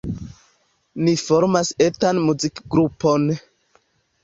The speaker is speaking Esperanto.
Ni formas etan muzikgrupon.